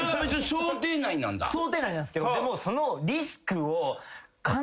想定内なんですけど。